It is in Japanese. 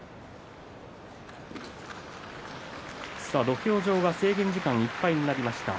土俵上は制限時間いっぱいになりました。